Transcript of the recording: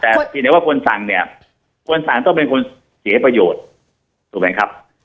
แต่เพียงแต่ว่าคนสั่งเนี่ยควรสั่งต้องเป็นคนเสียประโยชน์ถูกไหมครับ